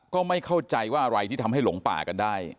ก็ไม่เข้าใจว่าอะไรที่ทำให้หลงป่ากันได้